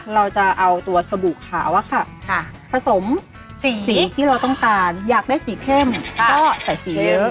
เราจะเอาตัวสบู่ขาวอะค่ะผสมสีที่เราต้องการอยากได้สีเข้มก็ใส่สีเยอะ